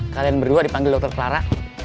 kalian berdua dipanggil dokter clara